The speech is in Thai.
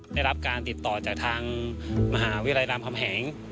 ได้รับการติดต่อจากทางมหาวิทยาลัยรามคำแหง